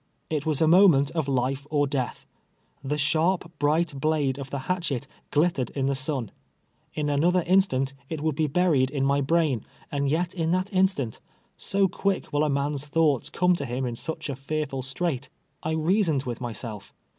It was a moment of life or death. The sharp, bright blade of the hatchet glittered in the sun. In another instant it would be buried in my brain, and yet in that instant — so quick will a man's thoughts come to him in such a fearful strait — I reasoned with my self.